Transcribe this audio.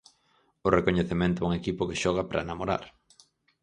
O recoñecemento a un equipo que xoga para namorar.